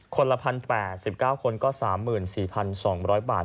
คนละ๑๐๘๙คนก็๓๔๒๐๐บาท